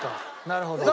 なるほど。